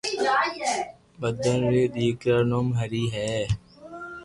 مدن ري دآڪرا نوم ھري ھي